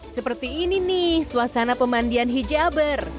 seperti ini nih suasana pemandian hijaber